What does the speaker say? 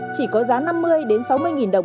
chỉ có giá năm mươi sáu mươi đồng